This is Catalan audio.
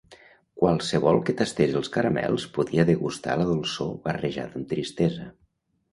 Qualsevol que tastés els caramels podia degustar la dolçor barrejada amb tristesa.